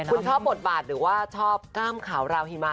คุณชอบบทบาทหรือว่าชอบกล้ามขาวราวหิมะ